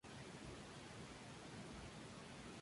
A menudo se le menciona como una celebridad.